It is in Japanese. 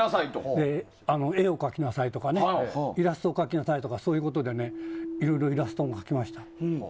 絵を描きなさいとかイラスト描きなさいとかそういうことでいろいろイラストも描きました。